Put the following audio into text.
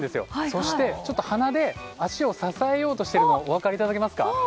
そして、鼻で足を支えようとしているのお分かりいただけますか。